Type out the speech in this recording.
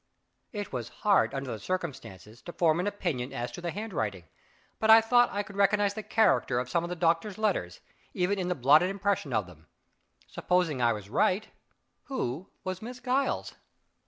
It was hard under the circumstances, to form an opinion as to the handwriting; but I thought I could recognize the character of some of the doctor's letters, even in the blotted impression of them. Supposing I was right, who was Miss Giles?